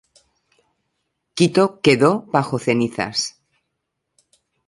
Quito quedó bajo cenizas.